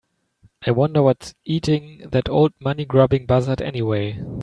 I wonder what's eating that old money grubbing buzzard anyway?